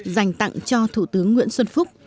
dành tặng cho thủ tướng nguyễn xuân phúc